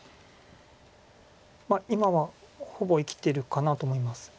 今はほぼ生きてるかなと思います。